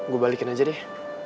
gue balikin aja deh